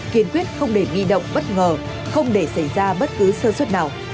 kiên quyết không để bị động bất ngờ không để xảy ra bất cứ sơ suất nào